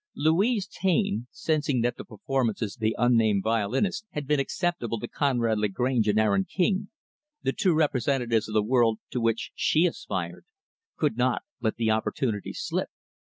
Louise Taine sensing that the performances of the unnamed violinist had been acceptable to Conrad Lagrange and Aaron King the two representatives of the world to which she aspired could not let the opportunity slip.